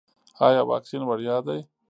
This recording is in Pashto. ایا واکسین وړیا دی؟